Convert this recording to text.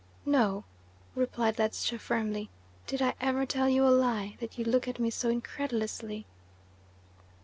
"No," replied Ledscha firmly. "Did I ever tell you a lie, that you look at me so incredulously?"